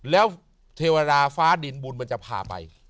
แล้วเทวดาฟ้าดินบุญมันจะพาไป